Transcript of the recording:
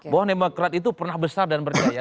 bahwa demokrat itu pernah besar dan berjaya